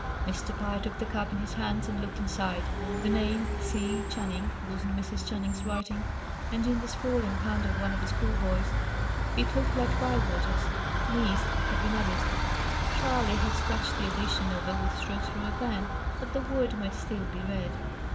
Mr. Pye took the cap in his hand, and looked inside. The name, "C. Channing," was in Mrs. Channing's writing; and, in the sprawling hand of one of the schoolboys it looked like Bywater's "Miss" had been added. Charley had scratched the addition over with strokes from a pen, but the word might still be read.